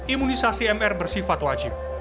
imunisasi mr bersifat wajib